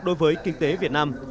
đối với kinh tế việt nam